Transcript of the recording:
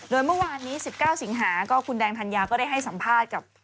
โดยเมื่อวานนี้๑๙สิงหาก็คุณแดงธัญญาก็ได้ให้สัมภาษณ์กับ